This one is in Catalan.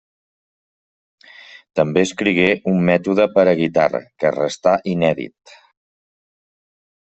També escrigué un mètode per a guitarra, que restà inèdit.